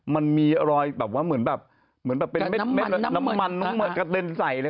มันมีรอยแบบว่าเหมือนแบบเป็นแม็ดน้ำมันน้ำมันกระเต็นใสเลย